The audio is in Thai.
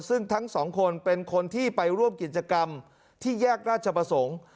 ซึ่งทั้งสองคนเป็นคนที่ไปร่วมกิจกรรมที่แยกราชประสงค์